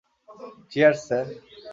Cheers, sir.